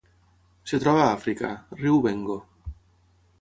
Es troba a Àfrica: riu Bengo.